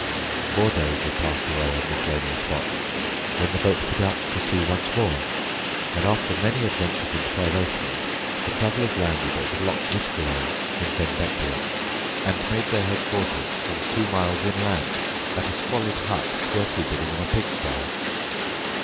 Four days were passed away in this lonely spot, when the boat put out to sea once more, and after many adventures and privations the travellers landed at Loch Wiskaway, in Benbecula, and made their headquarters some two miles inland at a squalid hut scarcely bigger than a pigstye.